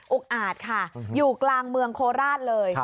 อาจค่ะอยู่กลางเมืองโคราชเลย